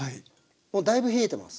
もうだいぶ冷えてます。